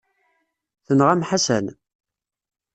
Tenɣam Ḥasan?